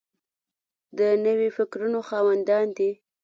د نویو فکرونو خاوندان دي.